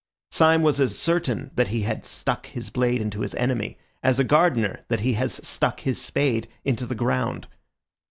Syme was as certain that he had stuck his blade into his enemy as a gardener that he has stuck his spade into the ground.